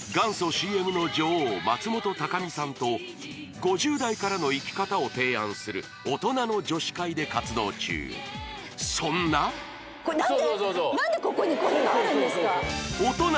ＣＭの女王松本孝美さんと５０代からの生き方を提案する大人の女史会で活動中そんなこれなんで？